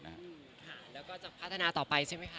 บ๊วยแล้วก็จะพัฒนาต่อไปใช่มั้ยคะ